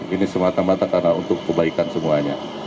ini semata mata karena untuk kebaikan semuanya